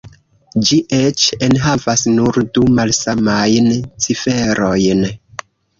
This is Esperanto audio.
Ĝi eĉ enhavas nur du malsamajn ciferojn.